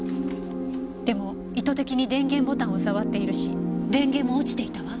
でも意図的に電源ボタンを触っているし電源も落ちていたわ。